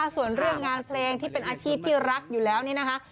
ส่วนเรื่องงานเพลงที่เป็นอาชีพที่รักอยู่แล้วนี่นะคะ